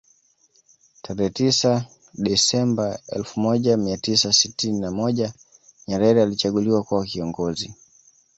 Tarehe tisa desamba elfu moja mia tisa sitini na moja Nyerere alichaguliwa kuwa kiongozi